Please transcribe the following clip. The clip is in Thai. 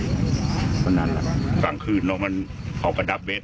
กลางคืนเราเอากระดับเวท